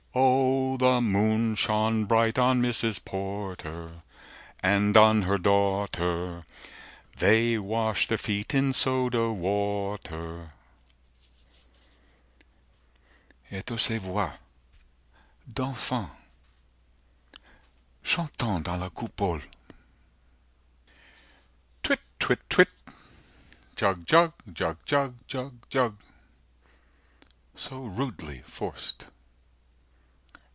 O the moon shone bright on Mrs. Porter And on her daughter 200 They wash their feet in soda water Et, O ces voix d'enfants, chantant dans la coupole! Twit twit twit Jug jug jug jug jug jug So rudely forc'd.